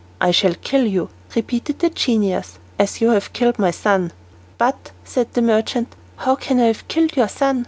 "I shall kill you," repeated the genius, "as you have killed my son." "But," said the merchant, "how can I have killed your son?